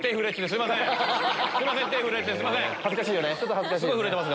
恥ずかしいよね。